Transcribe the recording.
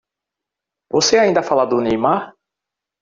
Você ainda fala do Neymar?